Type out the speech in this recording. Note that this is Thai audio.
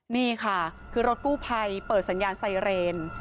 นี่ค่ะคือรถกู้ภัยเปิดสัญญาณไซเรน